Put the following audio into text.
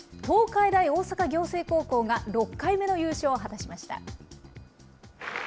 東海大大阪仰星高校が６回目の優勝を果たしました。